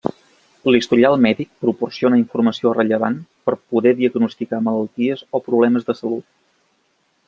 L'historial mèdic proporciona informació rellevant per poder diagnosticar malalties o problemes de salut.